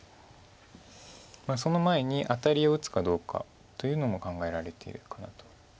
その前にアタリを打つかどうかというのも考えられているかなと。